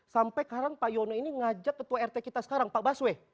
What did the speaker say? sampai sekarang pak yono ini ngajak ketua rt kita sekarang pak baswe